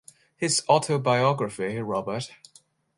His autobiography Robert.